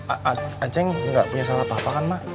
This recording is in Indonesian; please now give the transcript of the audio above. a a a ceng gak punya salah apa apa kan mak